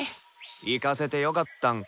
行かせてよかったんか？